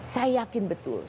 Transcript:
saya yakin betul